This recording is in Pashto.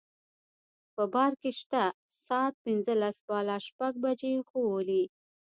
په بار کې شته ساعت پنځلس بالا شپږ بجې ښوولې.